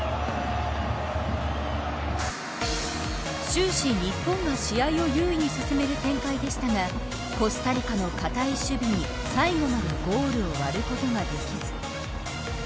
終始、日本が試合を優位に進める展開でしたがコスタリカの堅い守備に最後までゴールを割ることができず。